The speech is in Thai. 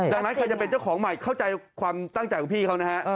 ดังนั้นใครจะเป็นเจ้าของใหม่เข้าใจความตั้งใจของพี่เขานะฮะ